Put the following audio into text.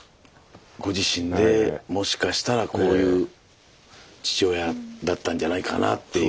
ご自身でもしかしたらこういう父親だったんじゃないかなっていう。